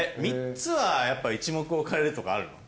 ３つはやっぱ一目置かれるとかあるの？